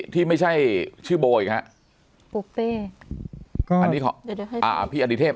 ที่ไม่ใช่ชื่อโบอีกฮะบุฟเฟ่อันนี้ขอเดี๋ยวให้อ่าพี่อดิเทพ